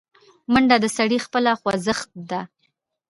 منډه د سړي خپله خوځښت ده